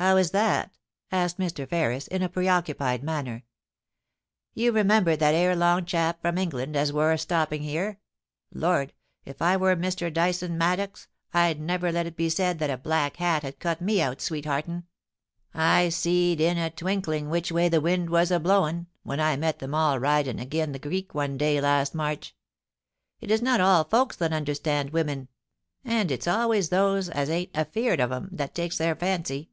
*How is that?* asked Mr. Ferris, in a preoccupied manner. * You remember that 'ere long chap from England as wur a stopping here ! Lord ! if I were Mr. Dyson Maddox I'd never let it be said that a black hat had cut me out sweet heartin'. I seed in a twinkling which way the wind was a blowin', when I met them all ridin' agen the creek one day last March. It is not all folks that understand women ; and it's always those as ain't afeard of 'em that takes their fancy.'